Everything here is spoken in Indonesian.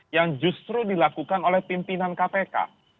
yang justru dilakukan oleh pimpinan kpk